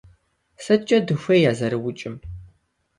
СыткӀэ дыхуей а зэрыукӀым?